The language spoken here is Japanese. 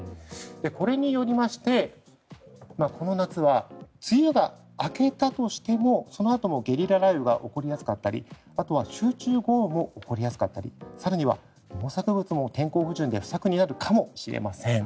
これによりましてこの夏は梅雨が明けたとしてもそのあともゲリラ雷雨が起こりやすかったりあとは集中豪雨も起こりやすかったり更には、農作物も天候不順で不作になるかもしれません。